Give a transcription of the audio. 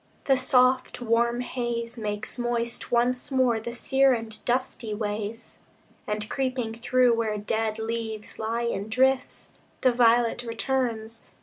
The soft, warm haze Makes moist once more the sere and dusty ways, And, creeping through where dead leaves lie in drifts, The violet returns.